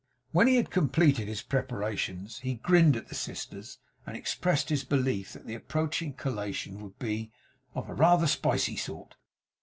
When he had completed his preparations, he grinned at the sisters, and expressed his belief that the approaching collation would be of 'rather a spicy sort.